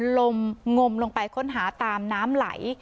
ลมงมลงไปค้นหาตามน้ำไหล